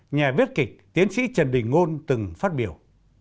nhà viết kịch tiến sĩ trần đình ngôn từng phát biểu